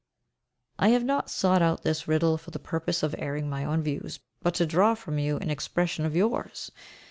I have not sought out this riddle for the purpose of airing my own views, but to draw from you an expression of yours.